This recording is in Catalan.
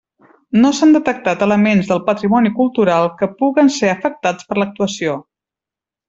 No s'han detectat elements del patrimoni cultural que puguen ser afectats per l'actuació.